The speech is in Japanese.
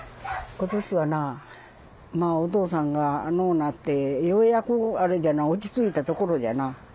今年はなまぁお父さんが亡くなってようやくあれじゃな落ち着いたところじゃな。